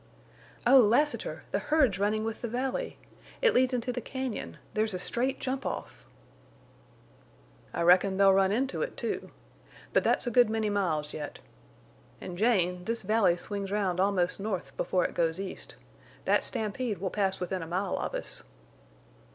"Oh, Lassiter! The herd's running with the valley! It leads into the cañon! There's a straight jump off!" "I reckon they'll run into it, too. But that's a good many miles yet. An', Jane, this valley swings round almost north before it goes east. That stampede will pass within a mile of us."